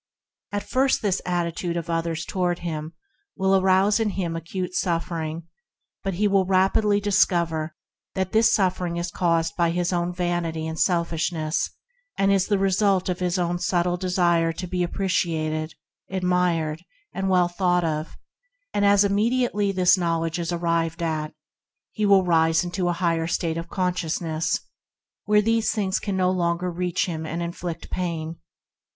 At first this attitude of others toward him will arouse in him acute suffer ing, but he will rapidly discover that this suffering is caused by his own vanity and selfishness and the result of his own subtle desire to be appreciated, admired, and thought well of; as soon as this knowledge is arrived at, he will rise into a higher state of consciousness, where these things can no longer reach him and inflict THE FINDING OF A PRINCIPLE 49 pain.